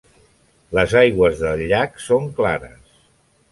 Les aigües del llac són clares.